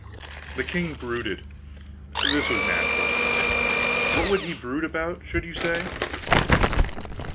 The king brooded; this was natural. What would he brood about, should you say?